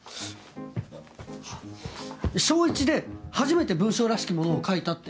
小１で初めて文章らしきものを書いたって。